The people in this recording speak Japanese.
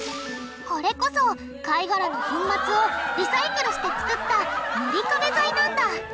これこそ貝がらの粉末をリサイクルしてつくった塗り壁材なんだ。